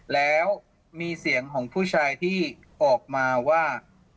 แล้วมีเสียงของผู้ชายที่ออกมาว่า